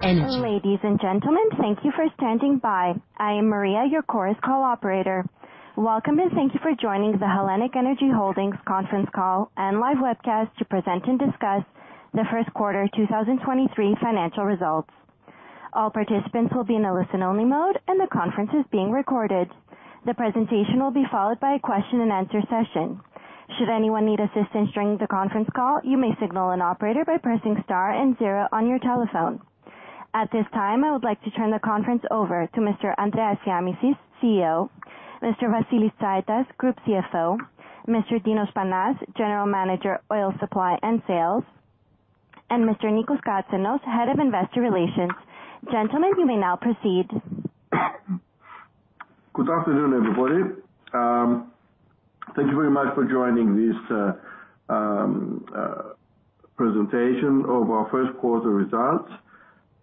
Ladies and gentlemen, thank you for standing by. I am Maria, your Chorus Call operator. Welcome and thank you for joining the HELLENiQ ENERGY Holdings conference call and live webcast to present and discuss the first quarter 2023 financial results. All participants will be in a listen only mode, and the conference is being recorded. The presentation will be followed by a question-and-answer session. Should anyone need assistance during the conference call, you may signal an operator by pressing star and zero on your telephone. At this time, I would like to turn the conference over to Mr. Andreas Shiamishis, CEO, Mr. Vasilis Tsaitas, Group CFO, Mr. Dinos Panas, General Manager, Oil Supply and Sales, and Mr. Nikos Katsenos, Head of Investor Relations. Gentlemen, you may now proceed. Good afternoon, everybody. Thank you very much for joining this presentation of our first quarter results.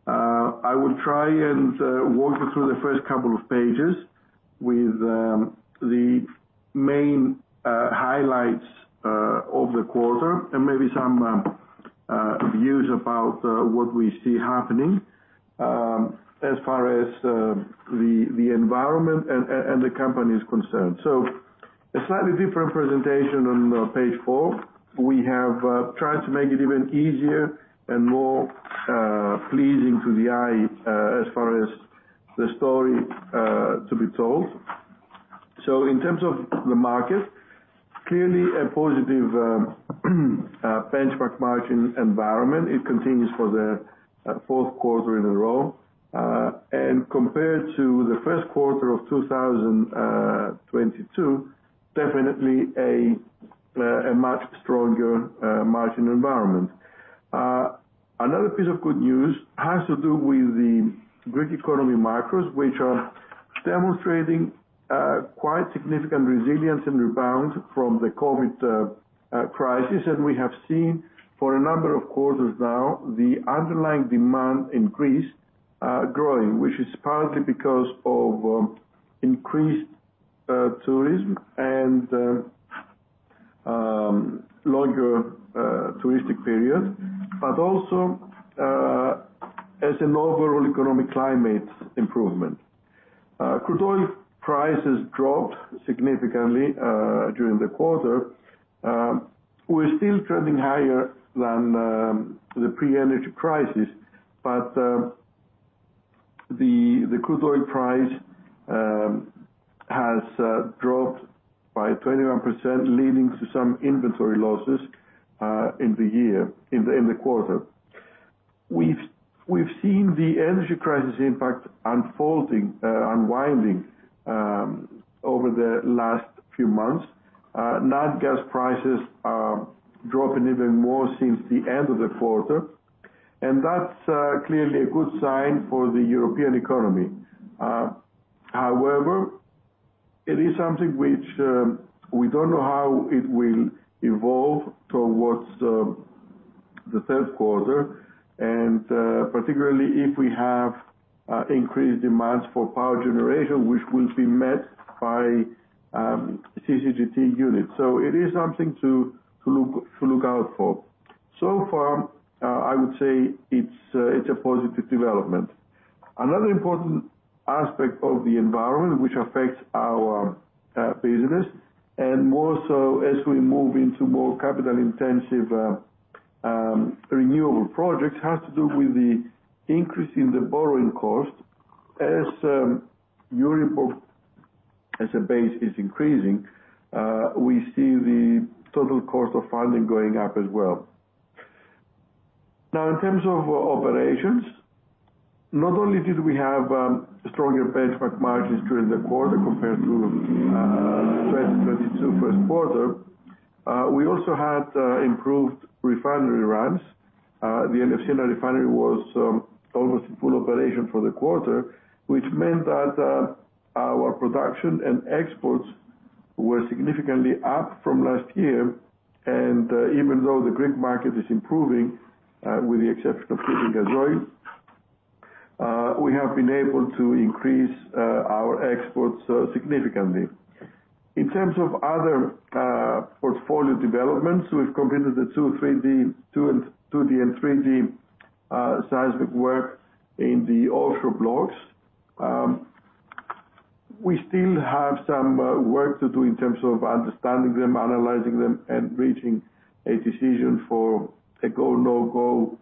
I will try and walk you through the first couple of pages with the main highlights of the quarter and maybe some views about what we see happening as far as the environment and the company is concerned. A slightly different presentation on page four. We have tried to make it even easier and more pleasing to the eye as far as the story to be told. In terms of the market, clearly a positive benchmark margin environment. It continues for the fourth quarter in a row. Compared to the first quarter of 2022, definitely a much stronger margin environment. Another piece of good news has to do with the Greek economy macros, which are demonstrating quite significant resilience and rebound from the COVID crisis that we have seen for a number of quarters now. The underlying demand increase growing, which is partly because of increased tourism and longer touristic period, but also as an overall economic climate improvement. Crude oil prices dropped significantly during the quarter. We're still trending higher than the pre-energy crisis, but the crude oil price has dropped by 21%, leading to some inventory losses in the quarter. We've seen the energy crisis impact unfolding, unwinding over the last few months. Natural gas prices are dropping even more since the end of the quarter, and that's clearly a good sign for the European economy. However, it is something which we don't know how it will evolve towards the third quarter and particularly if we have increased demands for power generation, which will be met by CCGT units. It is something to look out for. So far, I would say it's a positive development. Another important aspect of the environment which affects our business, and more so as we move into more capital-intensive renewable projects, has to do with the increase in the borrowing cost. As EURIBOR as a base is increasing, we see the total cost of funding going up as well. Now in terms of operations, not only did we have stronger benchmark margins during the quarter compared to 2022 first quarter, we also had improved refinery runs. The Elefsina refinery was almost in full operation for the quarter, which meant that our production and exports were significantly up from last year. Even though the Greek market is improving, with the exception of heating gas oil, we have been able to increase our exports significantly. In terms of other portfolio developments, we've completed the 2D and 3D seismic work in the offshore blocks. We still have some work to do in terms of understanding them, analyzing them, and reaching a decision for a go/no-go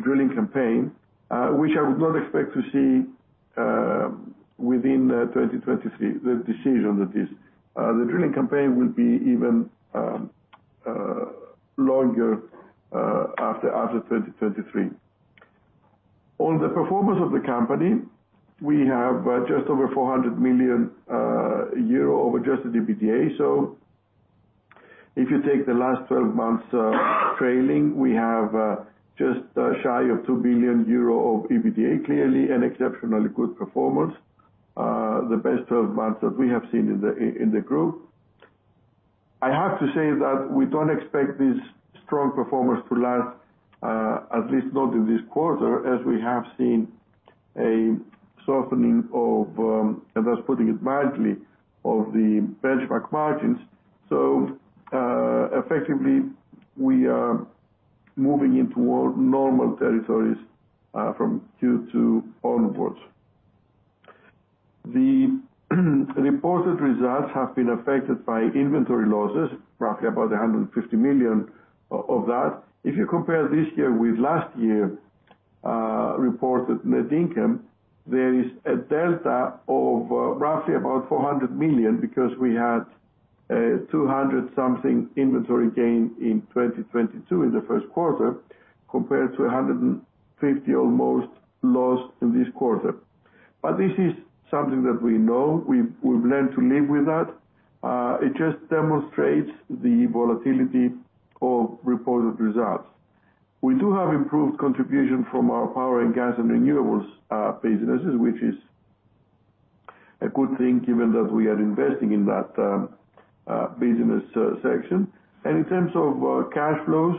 drilling campaign, which I would not expect to see within 2023, the decision that is. The drilling campaign will be even longer after 2023. On the performance of the company, we have just over 400 million euro of adjusted EBITDA. If you take the last 12 months trailing, we have just shy of 2 billion euro of EBITDA. Clearly an exceptionally good performance, the best 12 months that we have seen in the group. I have to say that we don't expect this strong performance to last, at least not in this quarter, as we have seen a softening of, and that's putting it mildly, of the benchmark margins. Effectively, we are moving into more normal territories from Q2 onwards. The reported results have been affected by inventory losses, roughly about 150 million of that. If you compare this year with last year, reported net income, there is a delta of roughly about 400 million because we had 200 something inventory gain in 2022 in the first quarter compared to 150 almost lost in this quarter. This is something that we know, we've learned to live with that. It just demonstrates the volatility of reported results. We do have improved contribution from our power and gas and renewables, businesses, which is a good thing given that we are investing in that business section. In terms of cash flows,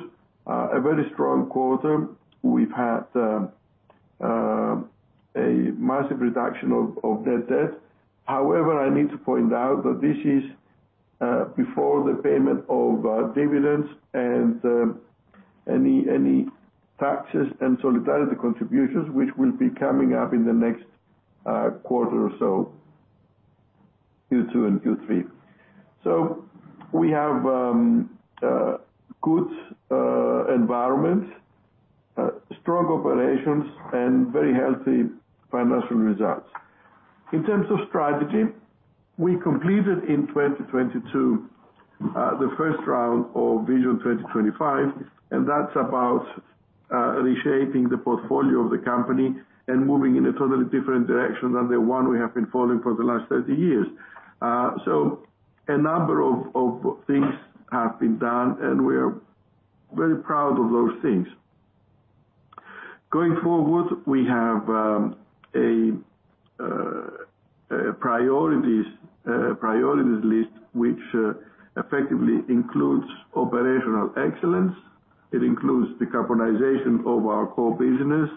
a very strong quarter. We've had a massive reduction of net debt. However, I need to point out that this is before the payment of dividends and any taxes and solidarity contributions which will be coming up in the next quarter or so, Q2 and Q3. We have good environment, strong operations, and very healthy financial results. In terms of strategy, we completed in 2022, the first round of Vision 2025, and that's about reshaping the portfolio of the company and moving in a totally different direction than the one we have been following for the last 30 years. A number of things have been done, and we are very proud of those things. Going forward, we have a priorities list, which effectively includes operational excellence. It includes decarbonization of our core business.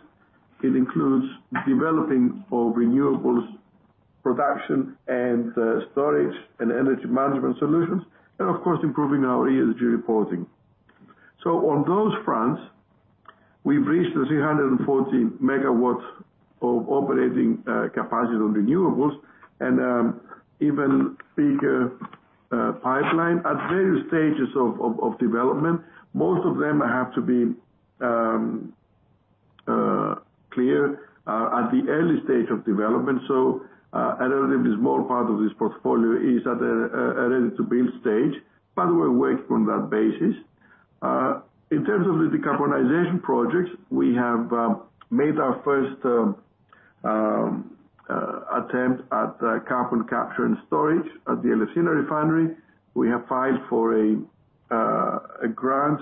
It includes developing of renewables production and storage and energy management solutions, and of course, improving our ESG reporting. On those fronts, we've reached the 340 MW of operating capacity on renewables and even bigger pipeline at various stages of development. Most of them have to be clear at the early stage of development. A relatively small part of this portfolio is at a ready-to-build stage, but we're working on that basis. In terms of the decarbonization projects, we have made our first attempt at carbon capture and storage at the Elefsina refinery. We have filed for a grant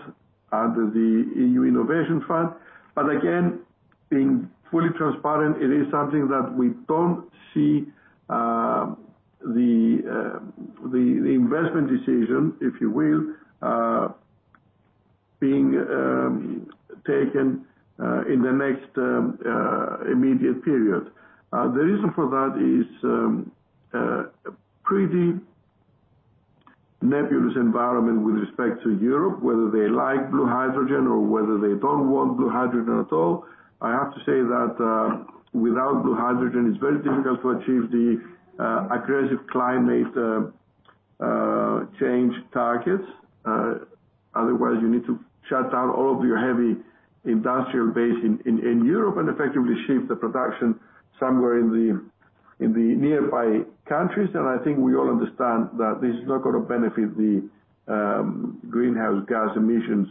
under the Innovation Fund. Again, being fully transparent, it is something that we don't see the investment decision, if you will, being taken in the next immediate period. The reason for that is pretty nebulous environment with respect to Europe, whether they like blue hydrogen or whether they don't want blue hydrogen at all. I have to say that, without blue hydrogen, it's very difficult to achieve the aggressive climate change targets. Otherwise, you need to shut down all of your heavy industrial base in Europe and effectively shift the production somewhere in the nearby countries. I think we all understand that this is not gonna benefit the greenhouse gas emissions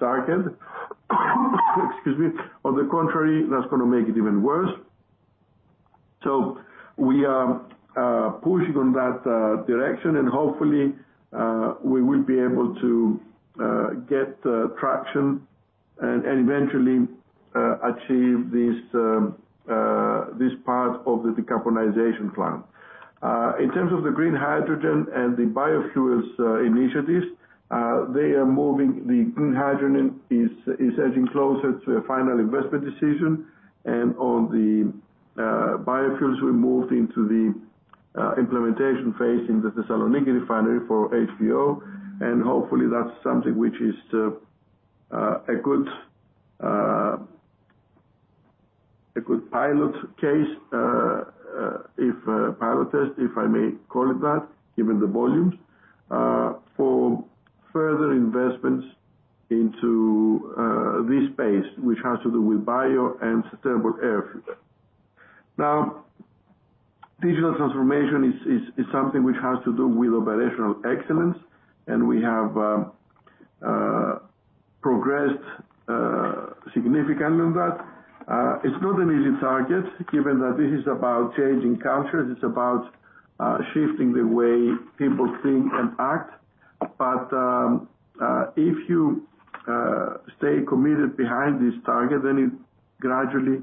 target. Excuse me. On the contrary, that's gonna make it even worse. We are pushing on that direction and hopefully, we will be able to get traction and eventually achieve this part of the decarbonization plan. In terms of the green hydrogen and the biofuels initiatives, they are moving. The green hydrogen is edging closer to a final investment decision. On the biofuels, we moved into the implementation phase in the Thessaloniki Refinery for HVO. Hopefully, that's something which is a good pilot case, if pilot test, if I may call it that, given the volumes for further investments into this space, which has to do with bio and sustainable air fuel. Digital transformation is something which has to do with operational excellence, and we have progressed significantly in that. It's not an easy target given that this is about changing cultures, it's about shifting the way people think and act. If you stay committed behind this target, then it gradually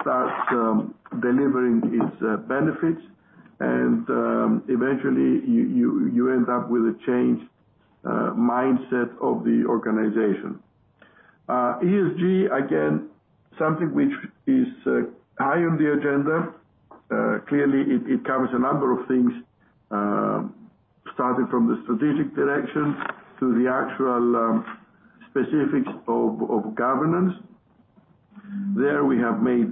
starts delivering its benefits and eventually you end up with a changed mindset of the organization. ESG, again, something which is high on the agenda. Clearly it covers a number of things, starting from the strategic direction to the actual specifics of governance. There we have made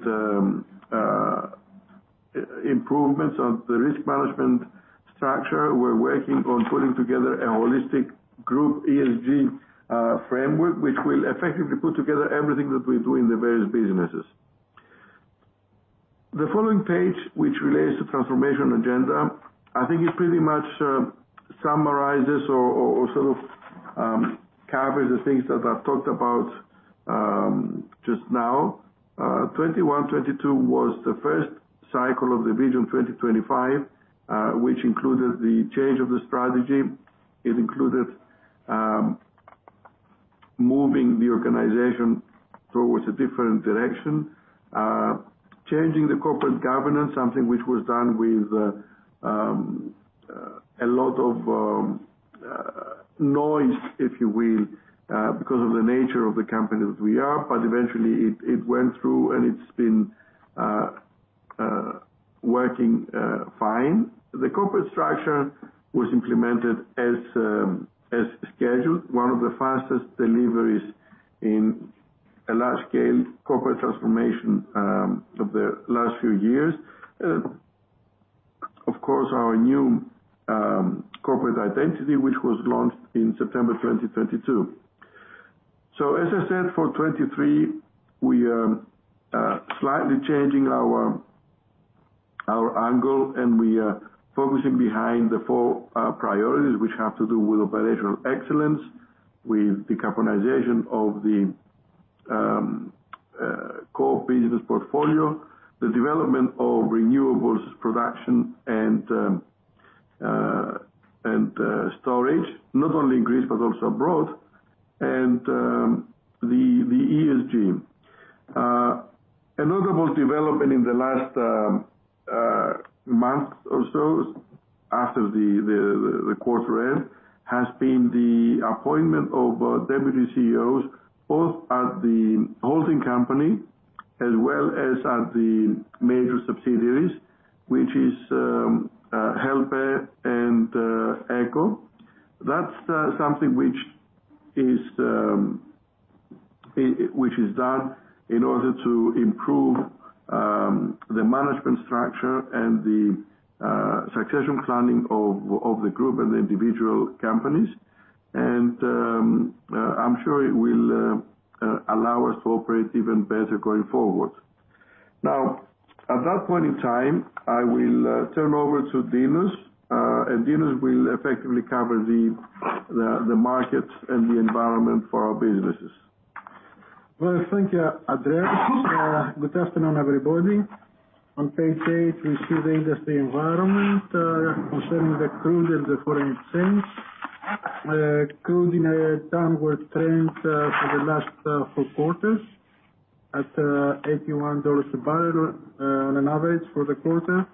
improvements on the risk management structure. We're working on putting together a holistic group ESG framework, which will effectively put together everything that we do in the various businesses. The following page, which relates to transformation agenda, I think it pretty much summarizes or sort of covers the things that I've talked about just now. 21, 22 was the first cycle of the Vision 2025, which included the change of the strategy. It included moving the organization towards a different direction. Changing the corporate governance, something which was done with a lot of noise, if you will, because of the nature of the company that we are. Eventually it went through, and it's been working fine. The corporate structure was implemented as scheduled, one of the fastest deliveries in a large scale corporate transformation of the last few years. Of course, our new corporate identity, which was launched in September 2022. As I said, for 2023, we are slightly changing our angle, and we are focusing behind the four priorities which have to do with operational excellence, with decarbonization of the core business portfolio, the development of renewables production and and storage, not only in Greece but also abroad, and the ESG. A notable development in the last months or so after the quarter end has been the appointment of deputy CEOs, both at the holding company as well as at the major subsidiaries, which is HELPE and EKO. That's something which is done in order to improve the management structure and the succession planning of the group and the individual companies. I'm sure it will allow us to operate even better going forward. At that point in time, I will turn over to Dinos. Dinos will effectively cover the markets and the environment for our businesses. Well, thank you, Andreas. Good afternoon, everybody. On page eight, we see the industry environment concerning the crude and the foreign exchange. Crude in a downward trend for the last four quarters at $81 a barrel on an average for the quarter.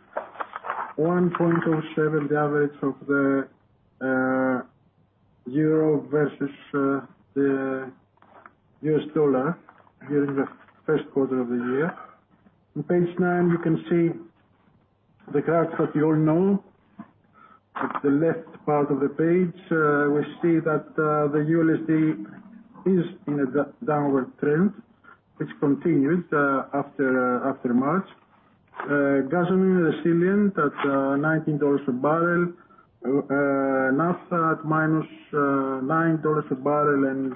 1.07, the average of the euro versus the U.S. dollar during the first quarter of the year. On page nine, you can see the graphs that you all know. At the left part of the page, we see that the USD is in a downward trend, which continues after March. Gasoline resilient at $19 a barrel. Naphtha at -$9 a barrel.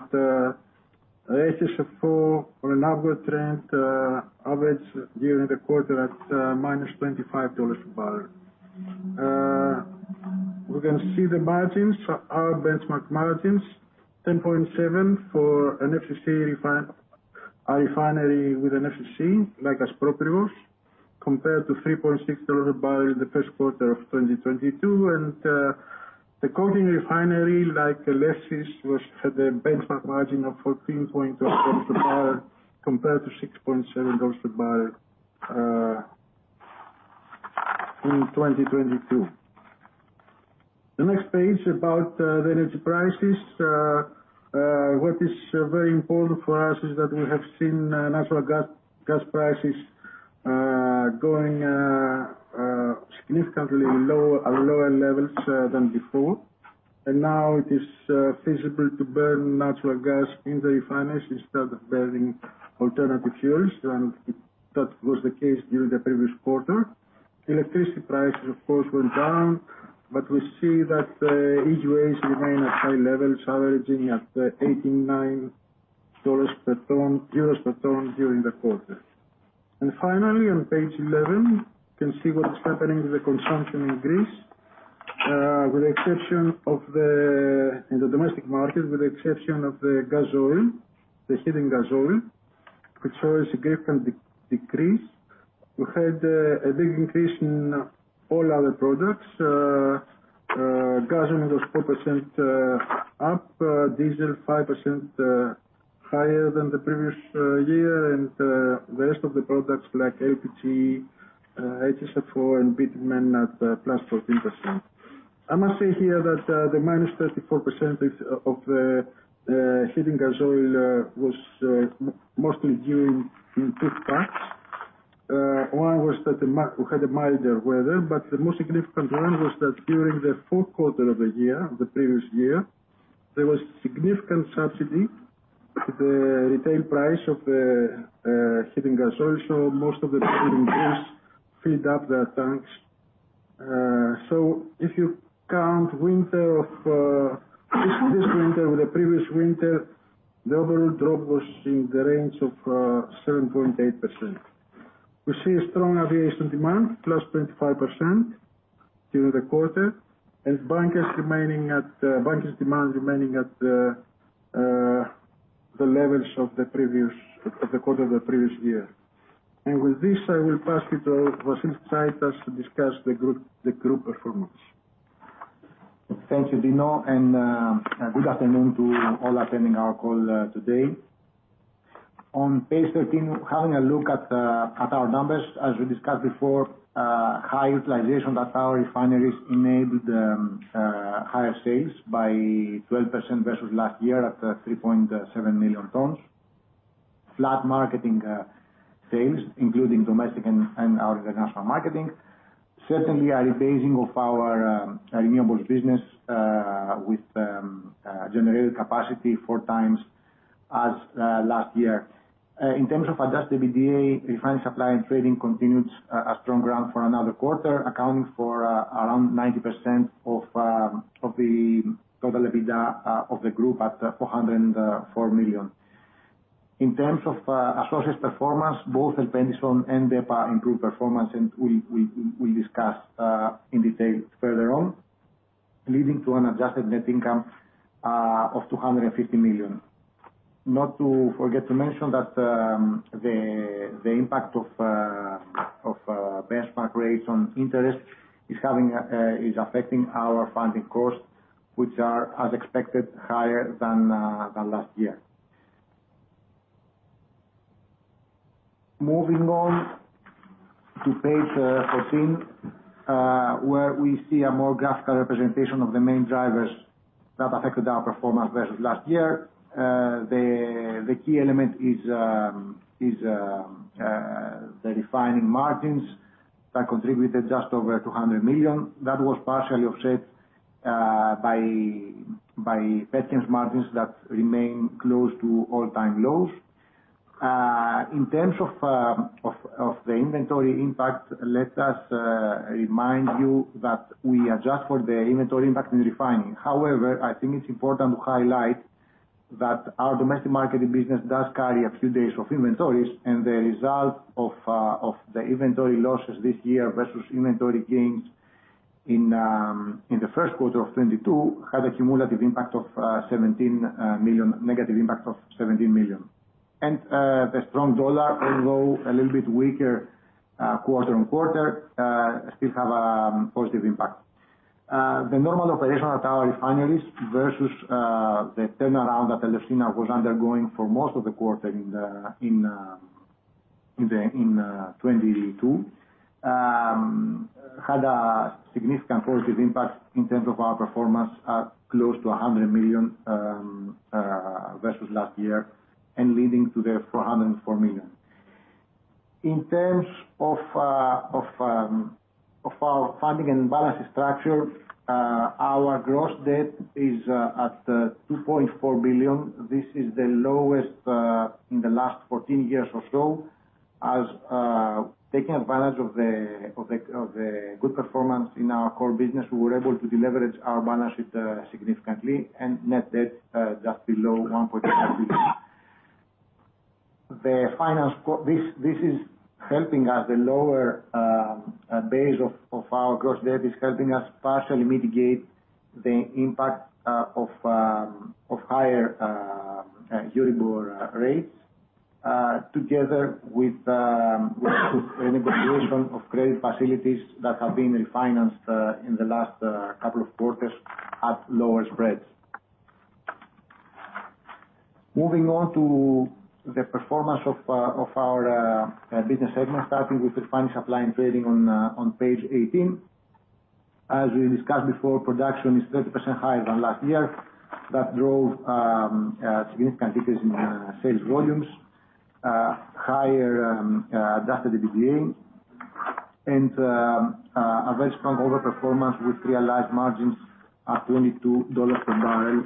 HSFO on an upward trend average during the quarter at -$25 a barrel. We can see the margins, our benchmark margins, 10.7 for an FCC refinery with an FCC, like Aspropyrgos, compared to $3.6 a barrel in the 1st quarter of 2022. The co-gen refinery, like Hellenic PET, was at a benchmark margin of $14.2 a barrel, compared to $6.7 a barrel in 2022. The next page about the energy prices. What is very important for us is that we have seen natural gas prices going significantly lower, at lower levels than before. Now it is feasible to burn natural gas in the refineries instead of burning alternative fuels. That was the case during the previous quarter. Electricity prices, of course, were down. We see that the EUAs remain at high levels, averaging at EUR 89 per ton during the quarter. Finally, on page 11, you can see what is happening with the consumption in Greece. In the domestic market, with the exception of the gasoil, the heating gasoil, which shows a significant decrease. We had a big increase in all other products. Gasoline was 4% up. Diesel 5% up. Higher than the previous year and the rest of the products like LPG, HSFO and bitumen at +14%. I must say here that the -34% is of the heating gas oil was mostly during two parts. One was that we had a milder weather, the most significant one was that during the fourth quarter of the year, the previous year, there was significant subsidy to the retail price of the heating gas oil, so most of the filled up their tanks. If you count winter of this winter with the previous winter, the overall drop was in the range of 7.8%. We see a strong aviation demand, +25% during the quarter, and bunkers remaining at bunkers demand remaining at the levels of the previous, of the quarter of the previous year. With this, I will pass to Vasilis Tsaitas to discuss the group performance. Thank you, Dinos. Good afternoon to all attending our call today. On page 13, having a look at our numbers, as we discussed before, high utilization at our refineries enabled higher sales by 12% versus last year at 3.7 million tons. Flat marketing sales, including domestic and our international marketing. Certainly a rebasing of our renewables business, with generated capacity 4x as last year. In terms of adjusted EBITDA, refinery supply and trading continued a strong ground for another quarter, accounting for around 90% of the total EBITDA of the group at 404 million. In terms of associated performance, both HELLENiQON and DEPA improved performance, and we'll discuss in detail further on, leading to an adjusted net income of 250 million. Not to forget to mention that the impact of benchmark rates on interest is affecting our funding costs, which are, as expected, higher than last year. Moving on to page 14, where we see a more graphical representation of the main drivers that affected our performance versus last year. The key element is the refining margins that contributed just over 200 million. That was partially offset by petroleum margins that remain close to all-time lows. In terms of the inventory impact, let us remind you that we adjust for the inventory impact in refining. However, I think it's important to highlight that our domestic marketing business does carry a few days of inventories, and the result of the inventory losses this year versus inventory gains in the first quarter of 2022 had a cumulative impact of 17 million, negative impact of 17 million. The strong dollar, although a little bit weaker, quarter-on-quarter, still have positive impact. The normal operational tower refineries versus the turnaround that Elefsina was undergoing for most of the quarter in 2022, had a significant positive impact in terms of our performance at close to 100 million versus last year, and leading to the 404 million. In terms of our funding and balance structure, our gross debt is at 2.4 billion. This is the lowest in the last 14 years or so. As taking advantage of the, of the, of the good performance in our core business, we were able to deleverage our balance sheet significantly, and net debt just below 1.5 billion. The finance this is helping us. The lower base of our gross debt is helping us partially mitigate the impact of higher EURIBOR rates, together with the negotiation of credit facilities that have been refinanced in the last two quarters at lower spreads. Moving on to the performance of our business segment, starting with refinery supply and trading on page 18. As we discussed before, production is 30% higher than last year. That drove a significant increase in sales volumes, higher adjusted EBITDA and a very strong overperformance with realized margins at $22 per barrel,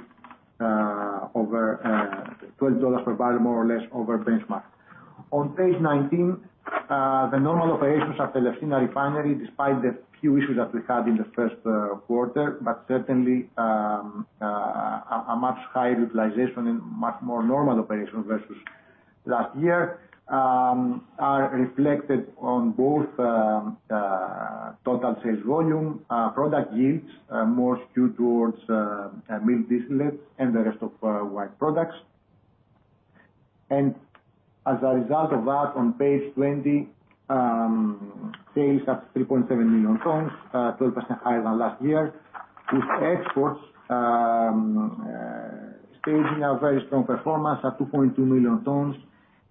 over $12 per barrel, more or less, over benchmark. On page 19, the normal operations at Elefsina refinery, despite the few issues that we had in the first quarter, but certainly, a much higher utilization and much more normal operation versus last year, are reflected on both total sales volume, product yields, more skewed towards middle distillates and the rest of white products. As a result of that, on page 20, sales at 3.7 million tons, 12% higher than last year, with exports staging a very strong performance at 2.2 million tons.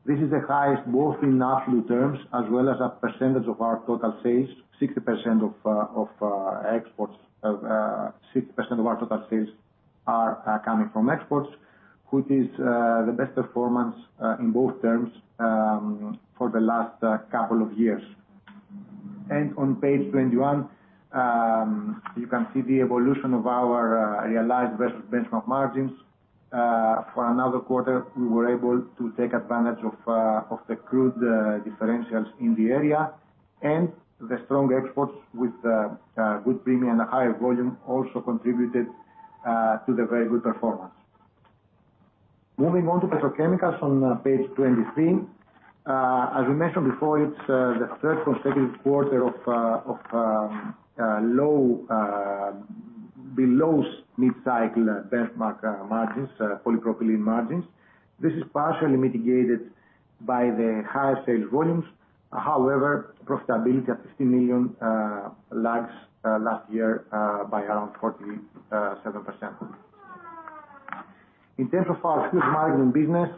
This is the highest, both in absolute terms as well as a percentage of our total sales. 60% of our total sales are coming from exports, which is the best performance in both terms for the last couple of years. On page 21, you can see the evolution of our realized versus benchmark margins. For another quarter, we were able to take advantage of the crude differentials in the area and the strong exports with good premium and higher volume also contributed to the very good performance. Moving on to petrochemicals on page 23. As we mentioned before, it's the third consecutive quarter of low, below mid-cycle benchmark margins, polypropylene margins. This is partially mitigated by the higher sales volumes. However, profitability at 50 million lags last year by around 47%. In terms of our fuel margin business,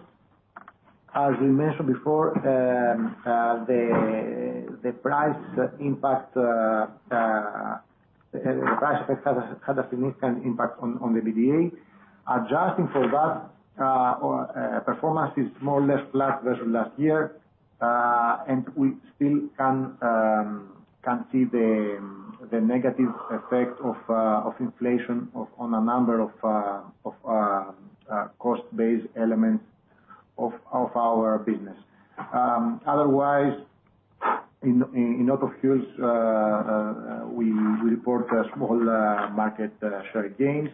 as we mentioned before, the price impact, the price had a significant impact on the EBITDA. Adjusting for that, performance is more or less flat versus last year. We still can see the negative effect of inflation on a number of cost-based elements of our business. Otherwise, in auto fuels, we report a small market share gains,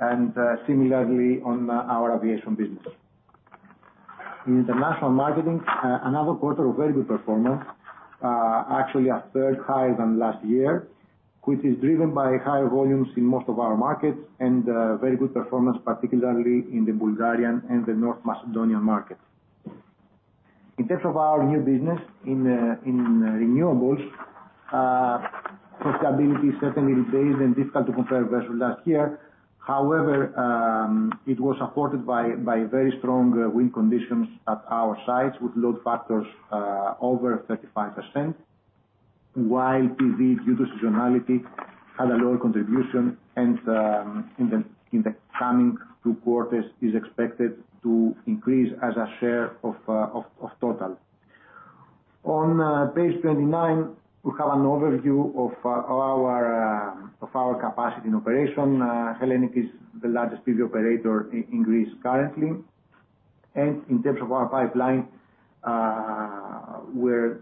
and similarly on our aviation business. In international marketing, another quarter of very good performance, actually a third higher than last year, which is driven by higher volumes in most of our markets and very good performance, particularly in the Bulgarian and the North Macedonian markets. In terms of our new business in renewables, profitability is certainly very difficult to compare versus last year. However, it was supported by very strong wind conditions at our sites with load factors over 35%, while PV due to seasonality had a lower contribution and in the coming two quarters is expected to increase as a share of total. On page 29, we have an overview of our capacity and operation. HELLENiQ is the largest PV operator in Greece currently. In terms of our pipeline, we're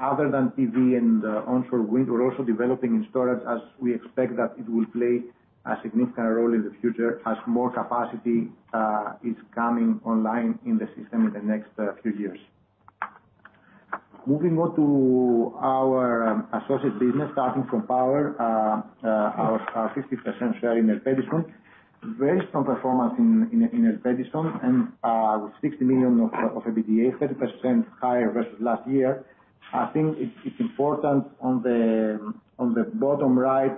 other than PV and onshore wind, we're also developing in storage as we expect that it will play a significant role in the future as more capacity is coming online in the system in the next few years. Moving on to our associate business, starting from power, our 50% share in Elpedison. Very strong performance in Elpedison and with 60 million of EBITDA, 30% higher versus last year. I think it's important on the bottom right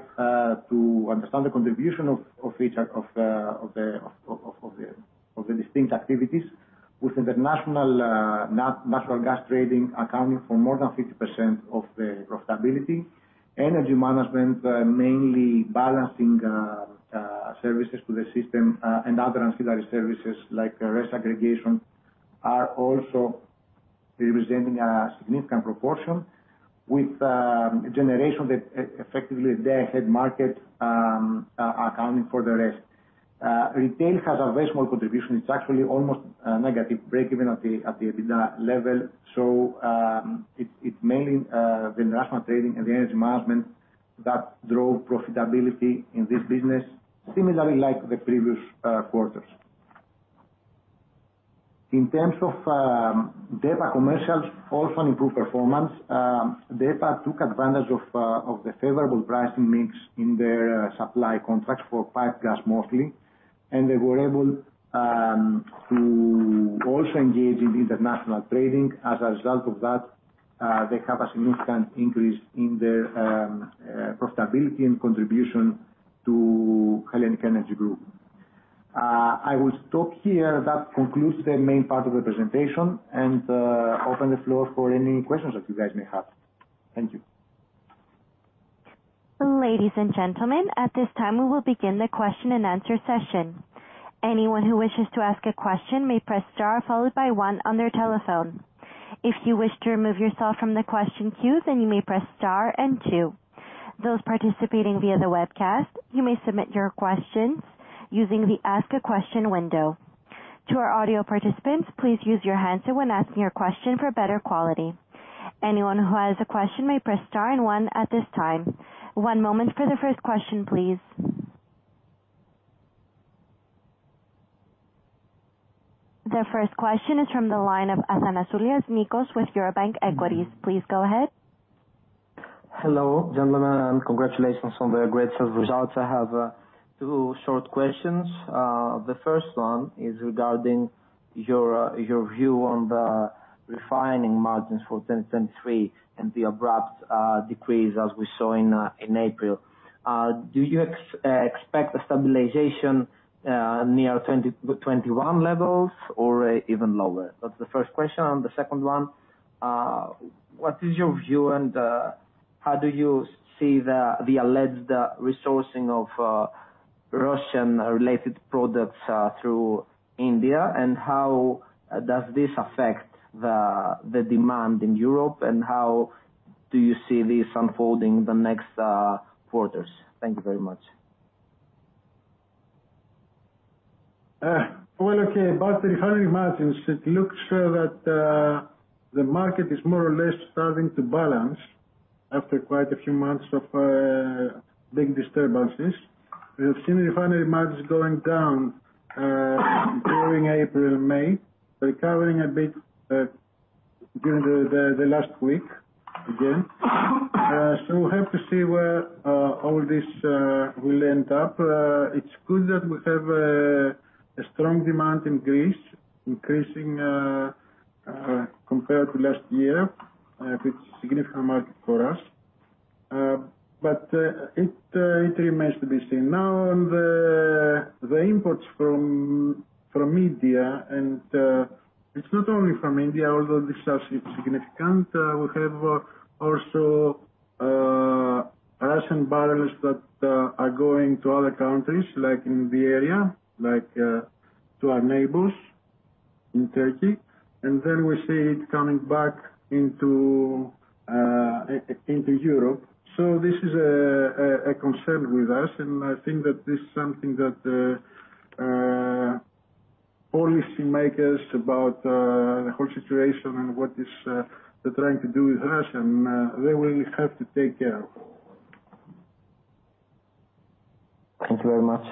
to understand the contribution of each of the distinct activities with international natural gas trading accounting for more than 50% of the profitability. Energy management, mainly balancing services to the system, and other ancillary services like risk aggregation are also representing a significant proportion with generation that effectively day ahead market accounting for the rest. Retail has a very small contribution. It's actually almost negative, breakeven at the EBITDA level. It's mainly the international trading and the energy management that drove profitability in this business, similarly like the previous quarters. In terms of DEPA Commercial, also an improved performance. DEPA took advantage of the favorable pricing mix in their supply contracts for pipe gas mostly. They were able to also engage in international trading. As a result of that, they have a significant increase in their profitability and contribution to HELLENiQ ENERGY Group. I will stop here. That concludes the main part of the presentation and open the floor for any questions that you guys may have. Thank you. Ladies and gentlemen, at this time, we will begin the question-and-answer session. Anyone who wishes to ask a question may press star followed by one on their telephone. If you wish to remove yourself from the question queue, then you may press star and two. Those participating via the webcast, you may submit your questions using the Ask a Question window. To our audio participants, please use your handset when asking your question for better quality. Anyone who has a question may press star and one at this time. One moment for the first question, please. The first question is from the line of Nikos Athanassiou with Eurobank Equities. Please go ahead. Hello gentlemen, and congratulations on the great sales results. I have two short questions. The first one is regarding your view on the refining margins for 2023 and the abrupt decrease as we saw in April. Do you expect a stabilization near 2021 levels or even lower? That's the first question. The second one, what is your view and how do you see the alleged resourcing of Russian-related products through India, and how does this affect the demand in Europe, and how do you see this unfolding the next quarters? Thank you very much. Well, okay. It looks that the market is more or less starting to balance after quite a few months of big disturbances. We have seen refinery margins going down during April and May, recovering a bit during the last week again. We'll have to see where all this will end up. It's good that we have a strong demand in Greece increasing compared to last year. It's a significant market for us. It remains to be seen. Now on the imports from India and it's not only from India, although this is significant. We have also Russian barrels that are going to other countries like in the area, like to our neighbors in Turkey. We see it coming back into Europe. This is a concern with us. I think that this is something that policymakers about the whole situation and what is they're trying to do with Russia and they will have to take care. Thank you very much.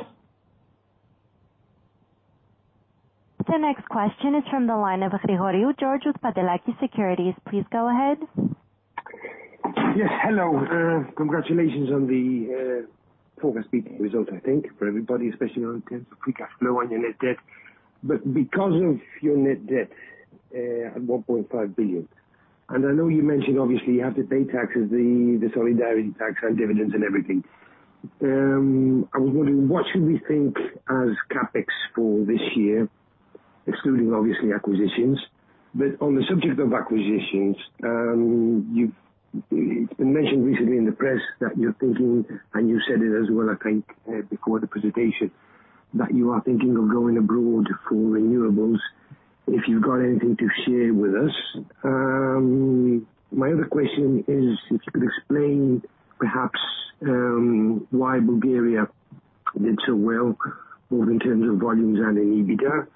The next question is from the line of Georgios Grigoriou with Pantelakis Securities. Please go ahead. Yes, hello. Congratulations on the focus beating results I think for everybody, especially on in terms of free cash flow on your net debt. Because of your net debt, at 1.5 billion, and I know you mentioned obviously you have to pay taxes, the solidarity tax and dividends and everything. I was wondering, what should we think as CapEx for this year, excluding obviously acquisitions? On the subject of acquisitions, you've mentioned recently in the press that you're thinking, and you said it as well, I think, before the presentation, that you are thinking of going abroad for renewables. If you've got anything to share with us. My other question is if you could explain perhaps why Bulgaria did so well, both in terms of volumes and in EBITDA.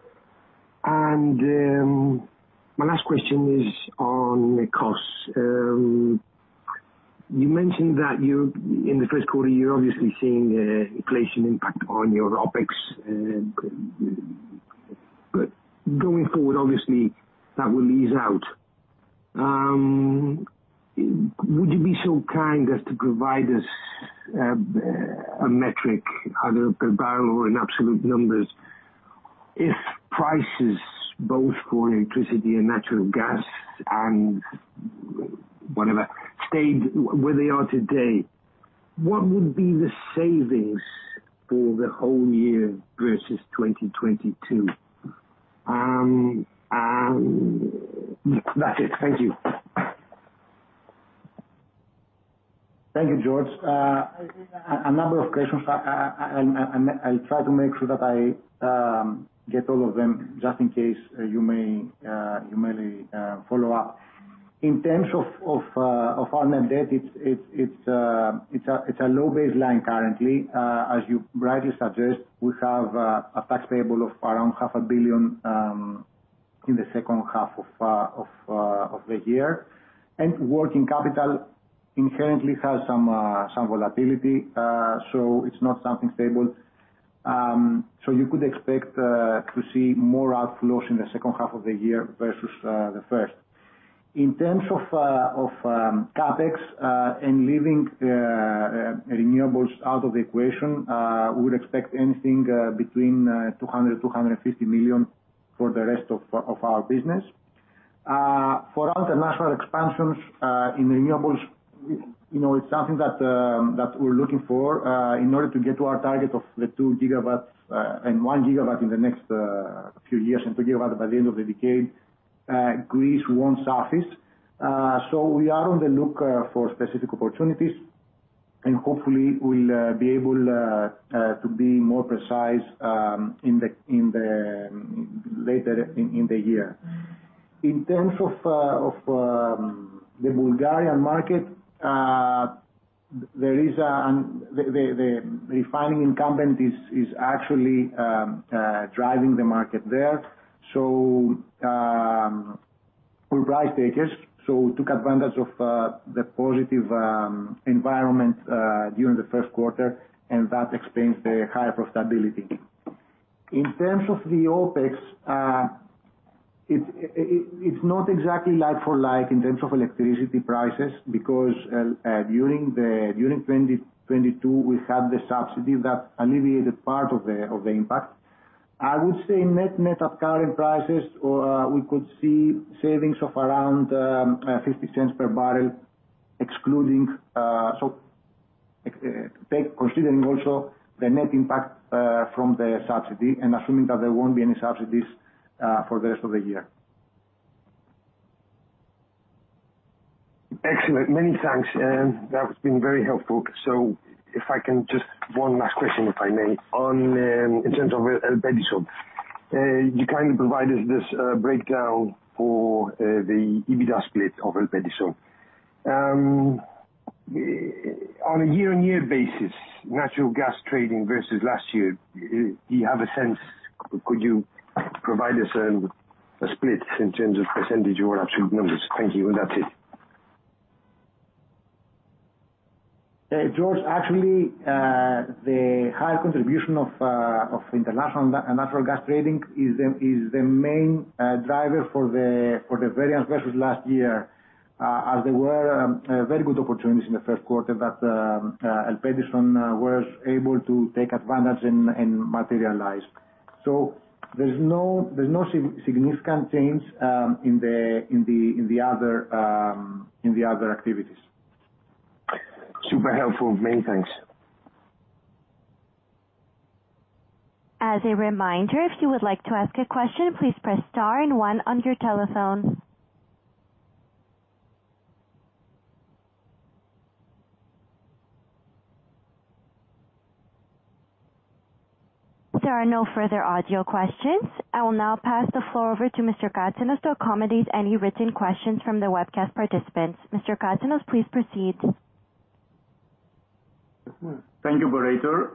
My last question is on costs. You mentioned that you in the first quarter, you're obviously seeing inflation impact on your OpEx. Going forward, obviously that will ease out. Would you be so kind as to provide us a metric, either per barrel or in absolute numbers, if prices both for electricity and natural gas and whatever stayed where they are today, what would be the savings for the whole year versus 2022? That's it. Thank you. Thank you, George. A number of questions. I'll try to make sure that I get all of them just in case you may follow up. In terms of our net debt, it's a low baseline currently. As you rightly suggest, we have a tax payable of around half a billion in the second half of the year. Working capital inherently has some volatility. It's not something stable. You could expect to see more outflows in the second half of the year versus the first. In terms of CapEx, leaving the renewables out of the equation, we would expect anything between 200 million-250 million for the rest of our business. For international expansions in renewables, you know, it's something that we're looking for in order to get to our target of the 2 GW, and 1 GW in the next few years, and 2 GW by the end of the decade, Greece won't suffice. We are on the look for specific opportunities, and hopefully we'll be able to be more precise in the later in the year. In terms of the Bulgarian market, there is the refining incumbent is actually driving the market there. We're price takers, so took advantage of the positive environment during the first quarter. That explains the higher profitability. In terms of the OpEx, It's not exactly like for like in terms of electricity prices because during 2022 we had the subsidy that alleviated part of the impact. I would say net of current prices, we could see savings of around $0.50 per barrel excluding, so take considering also the net impact from the subsidy and assuming that there won't be any subsidies for the rest of the year. Excellent. Many thanks. That's been very helpful. If I can just one last question, if I may, on, in terms of Elpedison. You kindly provided this breakdown for the EBITDA split of Elpedison. On a year-on-year basis, natural gas trading versus last year, do you have a sense, could you provide us a split in terms of percentage or absolute numbers? Thank you. That's it. George, actually, the high contribution of international natural gas trading is the main driver for the variance versus last year, as there were very good opportunities in the first quarter that Elpedison was able to take advantage and materialize. There's no significant change in the other activities. Super helpful. Many thanks. As a reminder, if you would like to ask a question, please press star one on your telephones. There are no further audio questions. I will now pass the floor over to Mr. Katsanos to accommodate any written questions from the webcast participants. Mr. Katsanos, please proceed. Thank you, operator.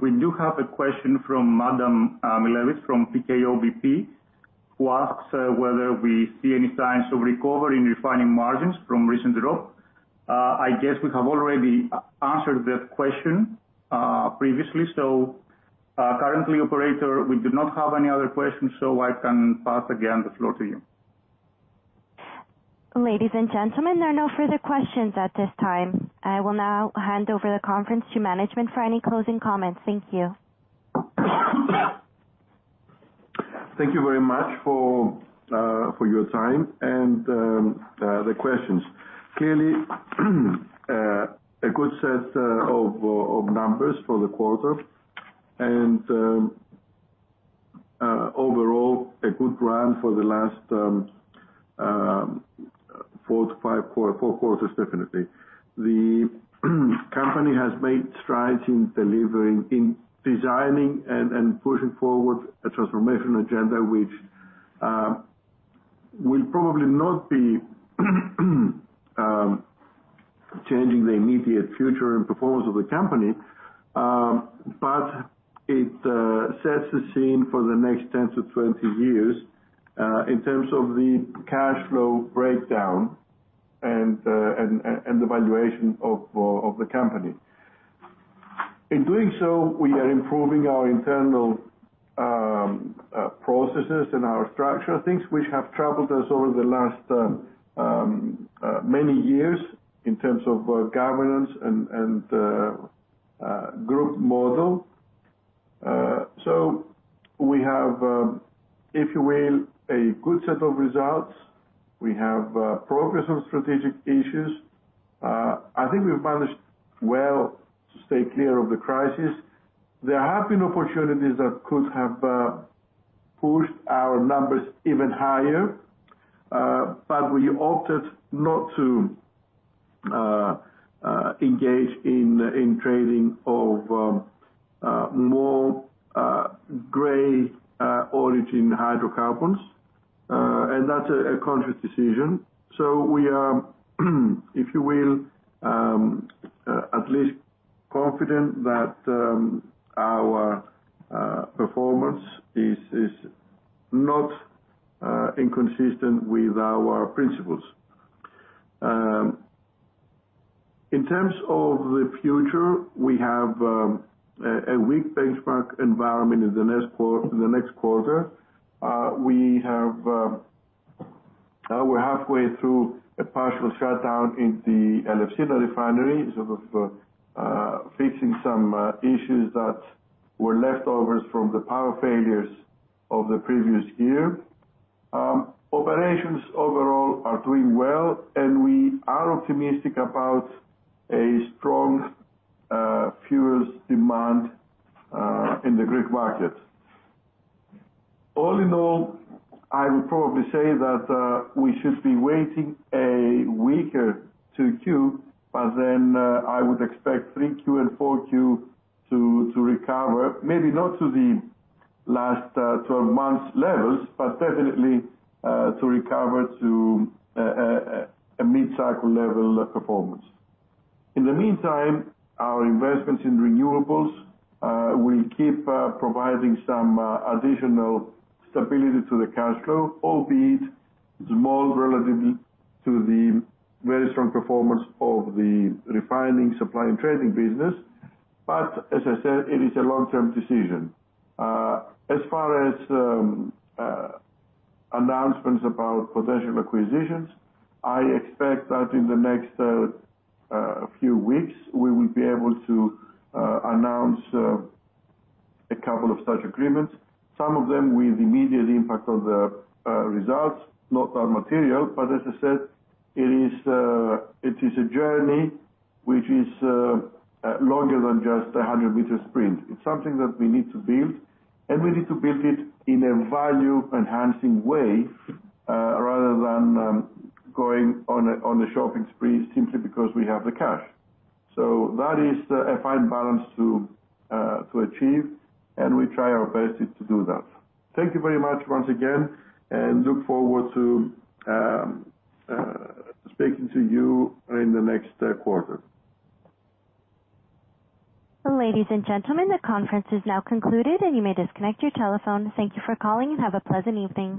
We do have a question from Madam Milevis from PKO BP, who asks whether we see any signs of recovery in refining margins from recent drop. I guess we have already answered that question previously. Currently operator, we do not have any other questions, so I can pass again the floor to you. Ladies and gentlemen, there are no further questions at this time. I will now hand over the conference to management for any closing comments. Thank you. Thank you very much for for your time and the questions. Clearly, a good set of numbers for the quarter. Overall a good run for the last four to five four quarters definitely. The company has made strides in delivering, in designing and pushing forward a transformation agenda, which will probably not be changing the immediate future and performance of the company. It sets the scene for the next 10-20 years in terms of the cash flow breakdown and the valuation of the company. In doing so, we are improving our internal processes and our structure things which have troubled us over the last many years in terms of governance and group model. We have, if you will, a good set of results. We have progress on strategic issues. I think we've managed well to stay clear of the crisis. There have been opportunities that could have pushed our numbers even higher, but we opted not to engage in trading of more gray origin hydrocarbons. That's a conscious decision. We are, if you will, at least confident that our performance is not inconsistent with our principles. In terms of the future, we have a weak benchmark environment in the next quarter. We have now we're halfway through a partial shutdown in the Elefsina refinery. We're fixing some issues that were leftovers from the power failures of the previous year. Operations overall are doing well, and we are optimistic about a strong fuels demand in the Greek market. All in all, I would probably say that we should be waiting a weaker 2Q, but then I would expect 3Q and 4Q to recover, maybe not to the last 12 months levels, but definitely to recover to a mid-cycle level performance. In the meantime, our investments in renewables will keep providing some additional stability to the cash flow, albeit small relatively to the very strong performance of the refining supply and trading business. As I said, it is a long-term decision. As far as announcements about potential acquisitions, I expect that in the next few weeks, we will be able to announce a couple of such agreements. Some of them with immediate impact on the results. Not on material, but as I said, it is a journey which is longer than just a hundred-meter sprint. It's something that we need to build, and we need to build it in a value-enhancing way, rather than going on a shopping spree simply because we have the cash. That is a fine balance to achieve, and we try our best to do that. Thank you very much once again and look forward to speaking to you in the next quarter. Ladies and gentlemen, the conference is now concluded and you may disconnect your telephone. Thank you for calling and have a pleasant evening.